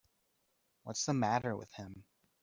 What's the matter with him.